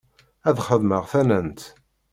Ad xedmeɣ tannant.